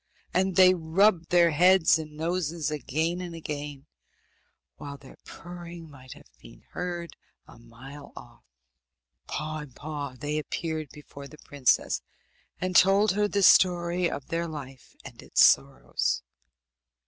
And they rubbed their heads and their noses again and again, while their purring might have been heard a mile off. Paw in paw they appeared before the princess, and told her the story of their life and its sorrows.